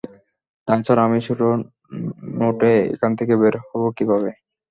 তাছাড়া, আমি ছোট নোটে এখান থেকে বের হবে কীভাবে?